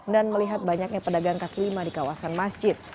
dan melihat banyaknya pedagang katlima di kawasan masjid